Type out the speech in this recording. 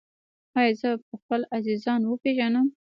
ایا زه به خپل عزیزان وپیژنم؟